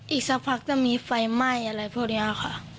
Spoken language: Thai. อีกสักพักจะมีไฟไหม้อะไรพวกนี้ค่ะ